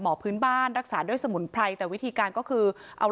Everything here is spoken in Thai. พื้นบ้านรักษาด้วยสมุนไพรแต่วิธีการก็คือเอา